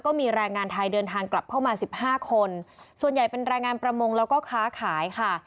ก็มีแรงงานไทยเดินทางกลับเข้ามาสิบห้าคนส่วนใหญ่เป็นแรงงานประมงแล้วก็ค้าขายค่ะ